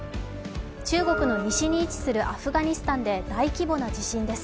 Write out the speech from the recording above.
中国の西に位置するアフガニスタンで大規模な地震です。